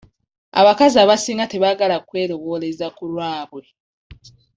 Abakazi abasinga tebaagala kwerowooleza ku lwabwe.